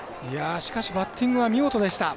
しかしバッティングは見事でした。